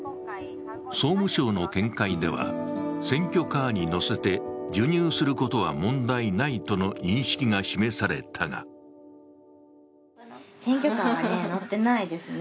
総務省の見解では、選挙カーに乗せて授乳することは問題ないとの認識が示されたが選挙カーは乗ってないですね